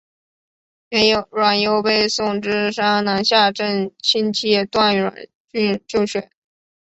阮攸被送至山南下镇亲戚段阮俊就学。